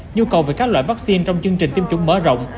nhu cầu về các loại vaccine trong chương trình tiêm chủng mở rộng